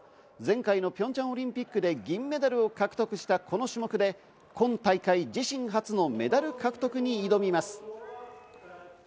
前回のピョンチャンオリンピックで銀メダルを獲得したこの種目で今大会、自身初のメダル獲得に挑みます。